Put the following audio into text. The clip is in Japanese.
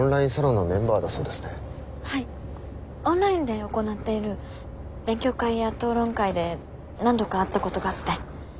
オンラインで行っている勉強会や討論会で何度か会ったことがあって。